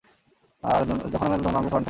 আর যখন আমি আসবো, তখন আমার কাছে ওয়ারেন্ট থাকবে।